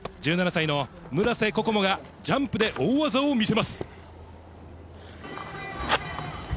１７歳の村瀬心椛がジャンプで大技を見せます。